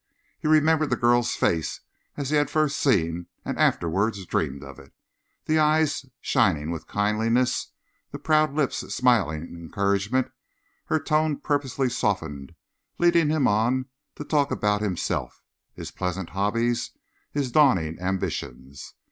He remembered the girl's face as he had first seen and afterwards dreamed of it, the eyes shining with kindliness, the proud lips smiling encouragement, her tone purposely softened, leading him on to talk about himself, his pleasant hobbies, his dawning ambitions.